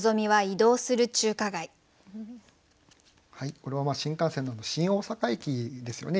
これは新幹線の新大阪駅ですよね